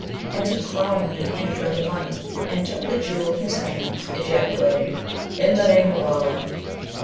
And he groaned and handed her the money, and took the Jewel in his hands; ejaculating, 'In the name of Allah!'